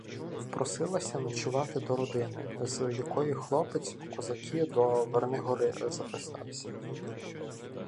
Впросилася ночувати до родини, з якої хлопець у козаки до "Вернигори" записався.